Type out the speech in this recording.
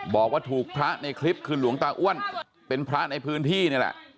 บอกว่าถูกพระในคลิปคือหลวงตาอ้วนเป็นพระในพื้นที่นี่แหละ